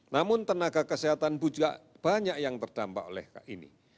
namun tenaga kesehatan bujak banyak yang terdampak oleh ini